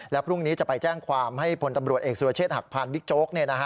แล้วพรุ่งนี้จะไปแจ้งความให้พลตำรวจเอกสุรเชษฐหักพานบิ๊กโจ๊ก